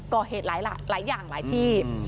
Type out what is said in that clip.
ก่อเหตุหลายอย่างหลายที่